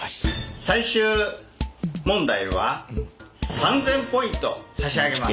最終問題は３，０００ポイント差し上げます！